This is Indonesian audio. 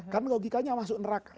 kan logikanya masuk neraka